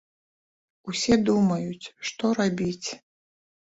Усе думаюць, што рабіць.